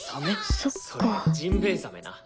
そっかそれジンベエザメな。